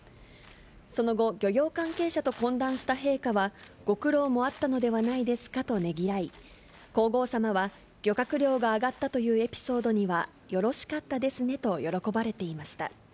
その後、漁業関係者と懇談した陛下は、ご苦労もあったのではないですかとねぎらい、皇后さまは、漁獲量が上がったというエピソードには、よろしかったですねと、喜ばれていました。